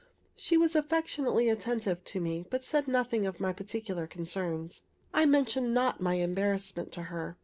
She was affectionately attentive to me, but said nothing of my particular concerns. I mentioned not my embarrassment to her.